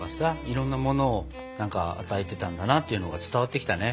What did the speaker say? いろんなものを与えてたんだなっていうのが伝わってきたね。